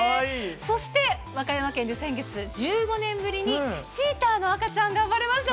そして和歌山県で先月、１５年ぶりにチーターの赤ちゃんが生まれました。